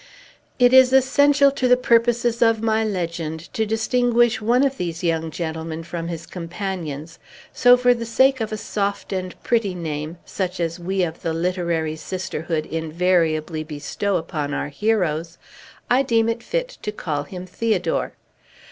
It is essential to the purposes of my legend to distinguish one of these young gentlemen from his companions; so, for the sake of a soft and pretty name (such as we of the literary sisterhood invariably bestow upon our heroes), I deem it fit to call him Theodore.